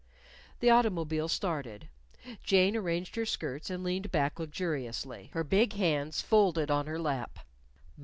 The automobile started. Jane arranged her skirts and leaned back luxuriously, her big hands folded on her lap.